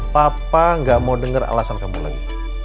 papa nggak mau denger alasan kamu lagi